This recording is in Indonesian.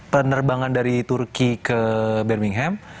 penerbangan dari turki ke bermingham